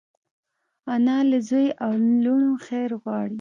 انا له زوی او لوڼو خیر غواړي